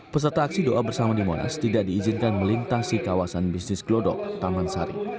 peserta aksi doa bersama di monas tidak diizinkan melintasi kawasan bisnis gelodok taman sari